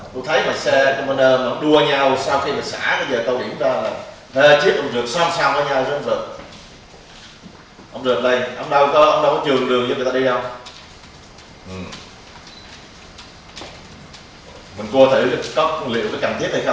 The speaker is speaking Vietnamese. tôi thấy xe container đua nhau sau khi xã câu điểm cho là